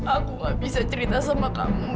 aku gak bisa cerita sama kamu